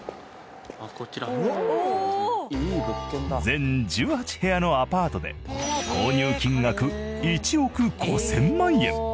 全１８部屋のアパートで購入金額１億５０００万円。